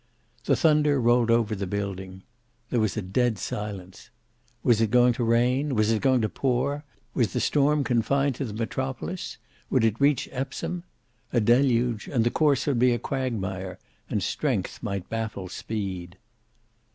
The thunder rolled over the building. There was a dead silence. Was it going to rain? Was it going to pour? Was the storm confined to the metropolis? Would it reach Epsom? A deluge, and the course would be a quagmire, and strength might baffle speed.